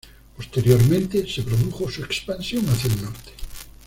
Posteriormente, se produjo su expansión hacia el norte.